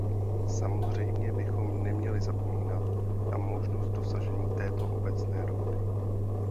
Samozřejmě bychom neměli zapomínat na možnost dosažení této obecné dohody.